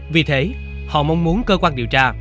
vì thế họ mong muốn cơ quan điều tra